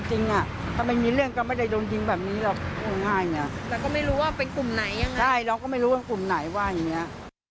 ใช่เราก็ไม่รู้ว่ากลุ่มไหนว่าอย่างนี้